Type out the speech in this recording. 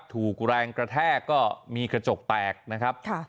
ถูกแรงกระแทกก็มีกระจกแตกนะครับ